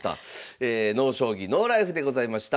「ＮＯ将棋ＮＯＬＩＦＥ」でございました。